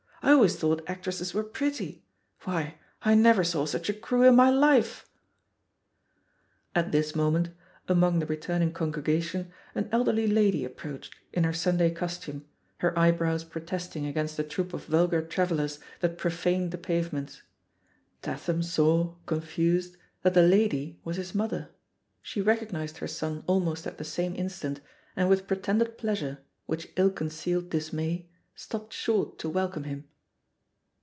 I always thought actresses were pretty — ^why, I never saw such a crew in my life I'* BO THE POSITION OF PEGGY HARPER At this moment, among the returning eongre gation, an elderly lady approached, in her Sun day costume, her eyebrows protesting against the troop of vulgar travellers that profaned the pavements. Tatham saw, confused, that the lady .was his mother. She recognised her son almost at the same instant, and with pretended pleasure^ 9?vrhich ill concealed dismay^ stopped short to wel come him.